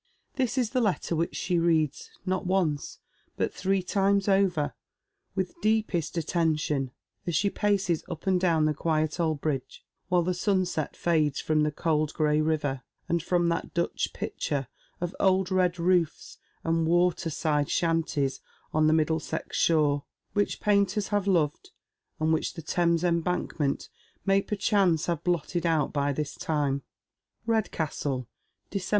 This is the letter which she reads, not once, but three times over, with deepest attention, as she paces up and down the quiet old bridge, wlule the sunset fades from the cold gray river, and from that Dutch picture of old red roofs and water side shanties on the IVIiddlesex shore, which painters have loved, and which tlie Thames Embankment may perchance have blotted out by this time :— jPead MerCs Shoes.